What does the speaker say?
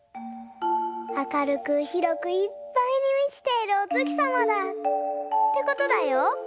明るくひろくいっぱいにみちているお月さまだ」ってことだよ。